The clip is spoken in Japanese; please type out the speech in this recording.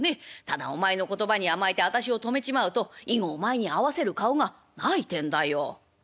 ただお前の言葉に甘えて私を泊めちまうと以後お前に合わせる顔がないてんだよ」。